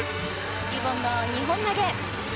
リボンの２本投げ。